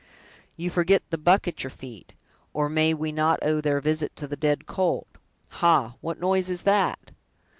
"You forget the buck at your feet! or, may we not owe their visit to the dead colt? Ha! what noise is that?"